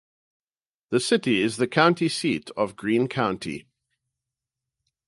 The city is the county seat of Greene County.